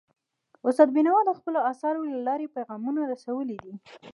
استاد بینوا د خپلو اثارو له لارې پیغامونه رسولي دي.